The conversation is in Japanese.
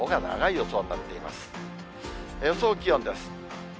予想気温です。